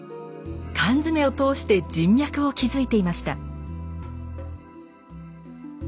缶詰を通して人脈を築いていました。